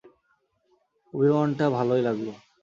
অভিমানটা ভালোই লাগল।